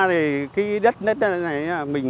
cái đất này